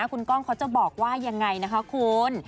คุณกล้องเขาจะบอกว่ายังไงนะคะคุณ